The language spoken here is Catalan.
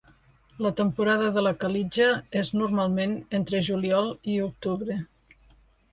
La temporada de la calitja és normalment entre juliol i octubre.